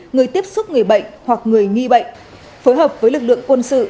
người tiếp xúc người bệnh hoặc người nghi bệnh phối hợp với lực lượng quân sự